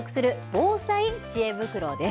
防災知恵袋です。